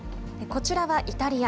こちらはイタリア。